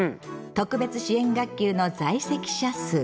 特別支援学級の在籍者数。